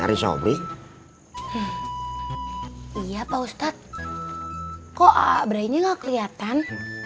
iya pak ustadz kok a'abraynya gak kelihatan